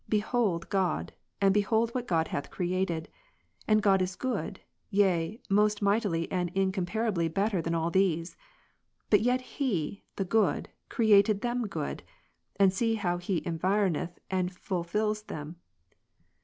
Behold God, and behold what God hath created ; and God is good, yea, most mightily and incomparably better than all these : but yet He, the Good, created them good ; and see how He environeth and full fils them.